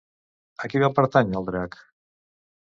A qui va pertànyer el Drac?